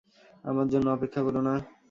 আমার জন্য অপেক্ষা করো না।